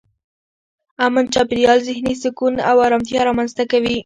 امن چاپېریال ذهني سکون او ارامتیا رامنځته کوي.